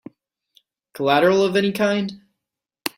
Collateral of any kind?